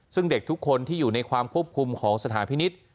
ซึ่งเด็กทุกคนที่อยู่ในความควบคุมของสถานพินิษฐ์